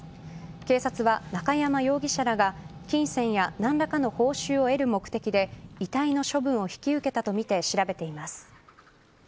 警察は中山容疑者らが金銭や何らかの報酬を得る目的で遺体の処分を引き受けたとみて調べています。